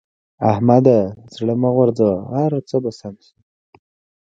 احمده! زړه مه غورځوه؛ هر څه به سم شي.